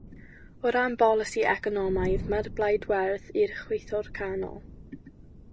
O ran polisi economaidd, mae'r blaid werdd i'r chwith o'r canol.